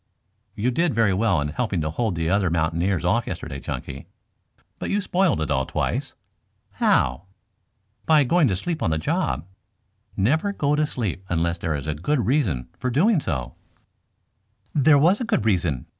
"You did very well in helping to hold the other mountaineers off yesterday, Chunky. But you spoiled it all twice." "How?" "By going to sleep on the job. Never go to sleep unless there is good reason for doing so." "There was good reason.